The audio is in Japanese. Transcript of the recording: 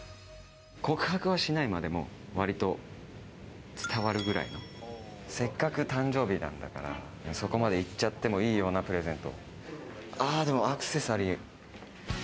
告白はしないまでも、割と伝わるぐらいの、せっかく誕生日なんだから、そこまで行っちゃってもいいようなプレゼント。